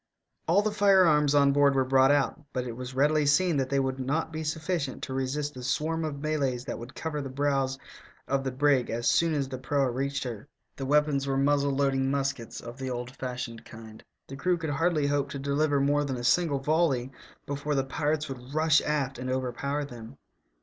All the firearms on board were brought out, but it was readily seen that they would not be sufficient to resist the swarm of Malays that would cover the bows of the brig as soon as the proa reached her. The weapons were muzzle loading muskets of the old fashioned kind. The crew could hardly hope to deliver more than a single volley before the pirates would rush aft and overpower them.